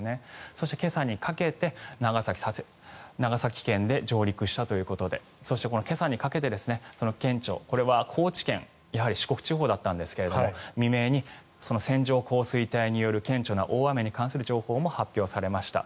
そして今朝にかけて長崎県で上陸したということでそして、今朝にかけて顕著これは高知県、やはり四国地方だったんですが未明に顕著な大雨に関する情報も発表されました。